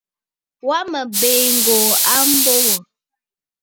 Wa mə̀ biì ŋ̀gòò a mbo wò.